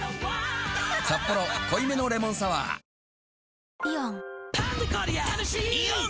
「サッポロ濃いめのレモンサワー」田